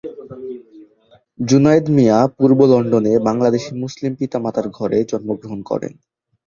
জুনায়েদ মিয়া পূর্ব লন্ডনে বাংলাদেশি মুসলিম পিতা-মাতার ঘরে জন্মগ্রহণ করেন।